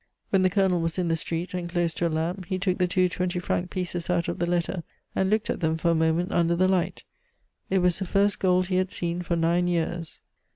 When the Colonel was in the street and close to a lamp, he took the two twenty franc pieces out of the letter and looked at them for a moment under the light. It was the first gold he had seen for nine years.